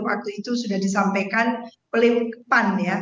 waktu itu sudah disampaikan pelimpinan ya